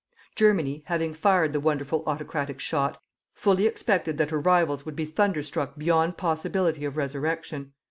Germany, having fired the wonderful autocratic shot, fully expected that her rivals would be thunderstruck beyond possibility of resurrection.